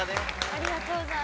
ありがとうございます。